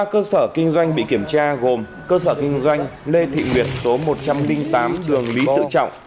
ba cơ sở kinh doanh bị kiểm tra gồm cơ sở kinh doanh lê thị nguyệt số một trăm linh tám đường lý tự trọng